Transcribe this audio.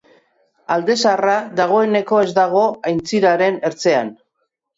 Alde zaharra dagoeneko ez dago aintziraren ertzean.